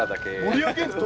盛り上げんぞ！